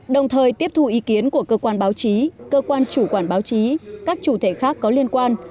đồng thời tiếp thu ý kiến của cơ quan báo chí cơ quan chủ quản báo chí các chủ thể khác có liên quan